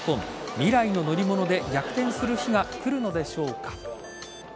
未来の乗り物で逆転する日が来るのでしょうか。